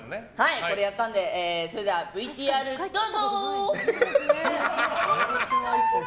これやったんでそれではＶＴＲどうぞ！